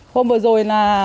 hôm vừa rồi là